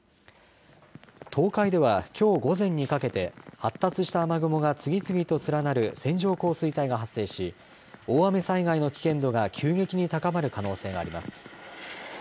東海では、きょう午前にかけて発達した雨雲が次々と連なる線状降水帯が発生し大雨災害の危険度が急激に高まる可能性があります。